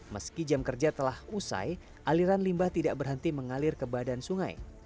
meski jam kerja telah usai aliran limbah tidak berhenti mengalir ke badan sungai